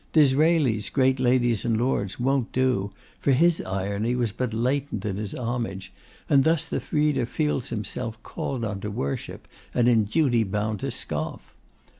Disraeli's great ladies and lords won't do, for his irony was but latent in his homage, and thus the reader feels himself called on to worship and in duty bound to scoff.